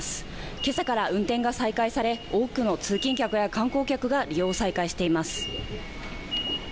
けさから運転が再開され多くの通勤客や観光客が利用を再開しています。